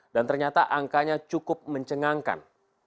dan ternyata angkanya cukup mencengangkan